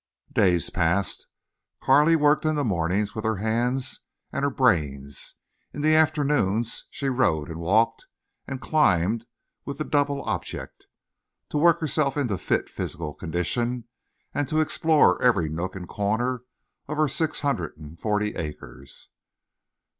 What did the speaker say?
Days passed. Carley worked in the mornings with her hands and her brains. In the afternoons she rode and walked and climbed with a double object, to work herself into fit physical condition and to explore every nook and corner of her six hundred and forty acres.